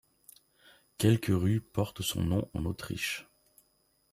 Quelques rues portent son nom en Autriche.